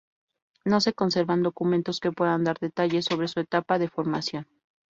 No se conservan documentos que puedan dar detalles sobre su etapa de formación.